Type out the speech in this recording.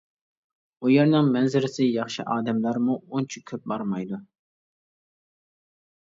ئۇ يەرنىڭ مەنزىرىسى ياخشى ئادەملەرمۇ ئۇنچە كۆپ بارمايدۇ.